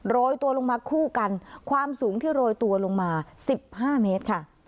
โรยตัวลงมาคู่กันความสูงที่โรยตัวลงมา๑๕เมตรค่ะ